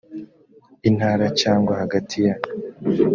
intara cyangwa hagati ya